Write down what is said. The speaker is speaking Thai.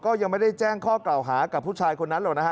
ก็ยังไม่ได้แจ้งข้อกล่าวหากับผู้ชายคนนั้นหรอกนะฮะ